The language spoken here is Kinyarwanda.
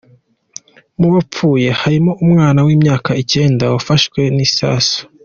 Mu bapfuye harimo umwana w’imyaka icyenda wafashwe n’isasu.